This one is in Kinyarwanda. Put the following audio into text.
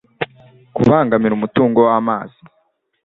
kubangamira umutungo w amazi